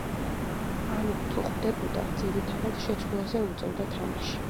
ან, თუ ხვდებოდა, ძირითადად შეცვლაზე უწევდა თამაში.